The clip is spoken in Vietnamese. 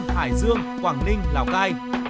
hải dương quảng ninh lào cai